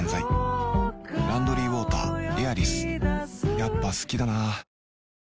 やっぱ好きだな